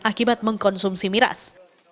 akibat mengkonsumsi miras